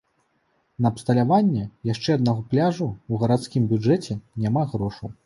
На абсталяванне яшчэ аднаго пляжу ў гарадскім бюджэце няма грошаў.